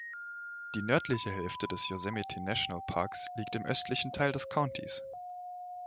Die nördliche Hälfte des Yosemite-Nationalpark liegt im östlichen Teil des Countys.